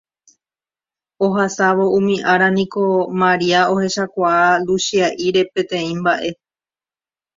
Ohasávo umi ára niko Maria ohechakuaa Luchia'íre peteĩ mba'e